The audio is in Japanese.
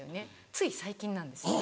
つい最近なんです。